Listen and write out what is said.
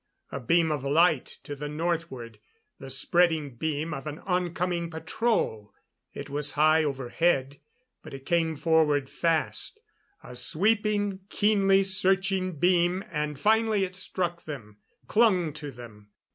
A beam of light to the northward the spreading beam of an oncoming patrol. It was high overhead; but it came forward fast. A sweeping, keenly searching beam, and finally it struck them. Clung to them.